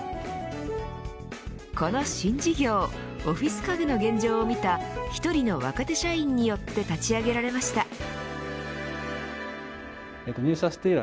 この新事業オフィス家具の現状を見た１人の若手社員によって立ち上げられました。